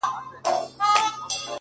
ډېر ښايسته كه ورولې دا ورځيني ډډه كړي.!